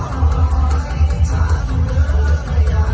มันเป็นเมื่อไหร่แล้ว